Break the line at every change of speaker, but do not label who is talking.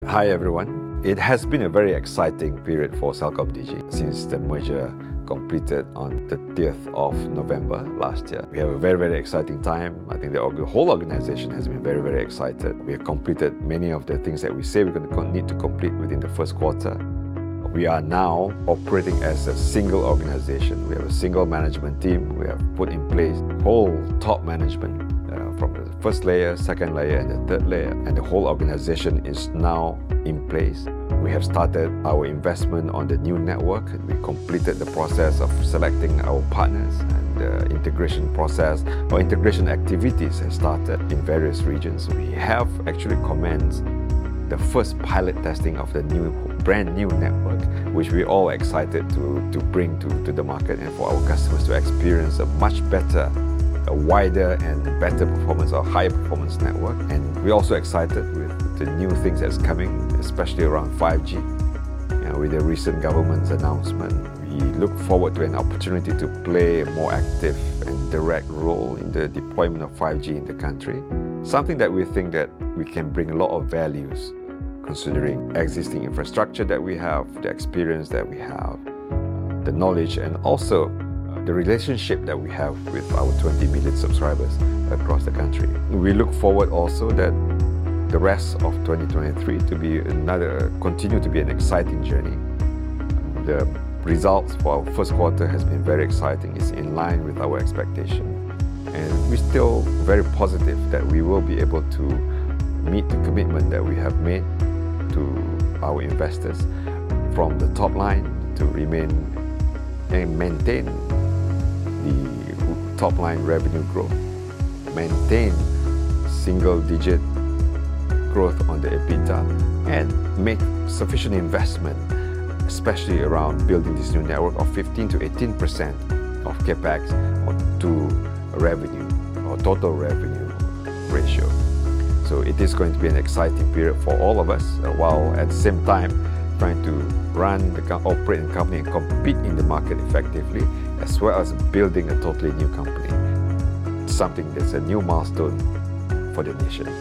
Hi, everyone. It has been a very exciting period for CelcomDigi since the merger completed on the third of November last year. We have a very, very exciting time. I think the whole organization has been very, very excited. We have completed many of the things that we say we're gonna need to complete within the first quarter. We are now operating as a single organization. We have a single management team. We have put in place whole top management from the first layer, second layer and the third layer, and the whole organization is now in place. We have started our investment on the new network. We completed the process of selecting our partners and the integration process or integration activities have started in various regions. We have actually commenced the first pilot testing of the new, brand new network, which we're all excited to bring to the market and for our customers to experience a much better, a wider and better performance or high-performance network. We're also excited with the new things that's coming, especially around 5G. You know, with the recent government's announcement, we look forward to an opportunity to play a more active and direct role in the deployment of 5G in the country, something that we think that we can bring a lot of values considering existing infrastructure that we have, the experience that we have, the knowledge, and also the relationship that we have with our 20 million subscribers across the country. We look forward also that the rest of 2023 to continue to be an exciting journey. The results for our first quarter has been very exciting. It's in line with our expectation, and we're still very positive that we will be able to meet the commitment that we have made to our investors from the top line to remain and maintain the top-line revenue growth, maintain single-digit growth on the EBITDA, and make sufficient investment, especially around building this new network of 15%-18% of CapEx or to revenue or total revenue ratio. It is going to be an exciting period for all of us, while at the same time trying to run, become, operate, and company, compete in the market effectively as well as building a totally new company, something that's a new milestone for the nation.